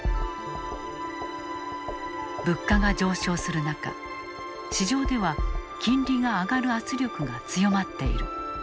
物価が上昇する中市場では金利が上がる圧力が強まっている。